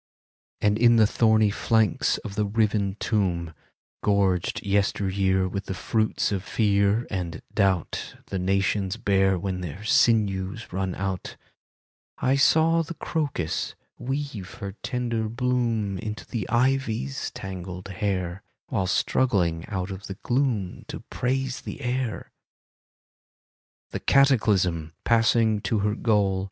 And in the thorny flanks of the riven tomb, Gorged yesteryear with the fruits of fear and doubt The nations bear when their sinews run out, I saw the crocus weave her tender bloom Into the ivy's tangled hair, While struggling out of the gloom To praise the air. The Cataclysm, passing to her goal.